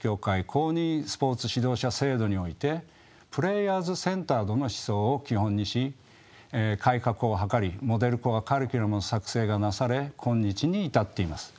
公認スポーツ指導者制度において「プレーヤーズセンタードの思想」を基本にし改革をはかり「モデル・コア・カリキュラム」の作成がなされ今日に至っています。